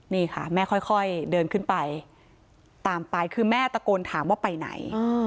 นี่ค่ะแม่ค่อยเดินขึ้นไปตามไปคือแม่ตะโกนถามว่าไปไหน